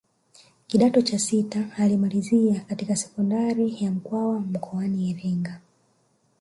Kidato cha sita alimalizia katika sekondari ya Mkwawa mkoani Iringa